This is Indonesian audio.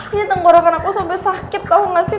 ini tenggorokan aku sobat sakit tahu nggak sih